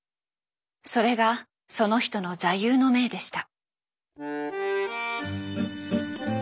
それがその人の座右の銘でした。